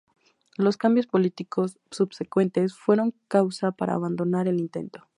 Los cambios políticos subsecuentes fueron causa para abandonar el intento.